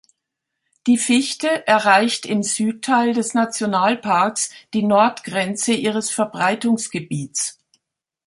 Die Fichte erreicht im Südteil des Nationalparks die Nordgrenze ihres Verbreitungsgebiets.